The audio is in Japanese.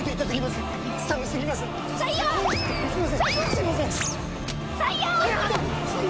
すいませんって！